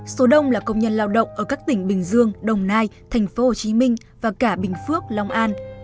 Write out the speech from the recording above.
số đông là công nhân lao động ở các tỉnh bình dương đồng nai tp hcm và cả bình phước long an